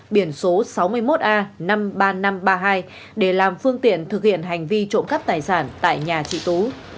biển số sáu mươi một a năm mươi ba nghìn năm trăm ba mươi hai để làm phương tiện thực hiện hành vi trộm cắp tài sản tại nhà chị tú